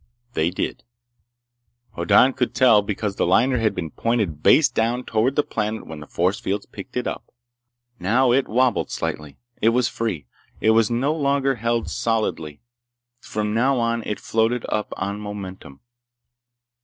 They did. Hoddan could tell because the liner had been pointed base down toward the planet when the force fields picked it up. Now it wabbled slightly. It was free. It was no longer held solidly. From now on it floated up on momentum.